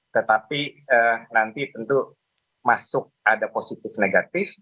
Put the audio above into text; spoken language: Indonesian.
tetapi nanti tentu masuk ada positif negatif